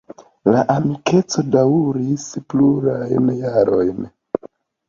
La amikeco daŭris plurajn jarojn.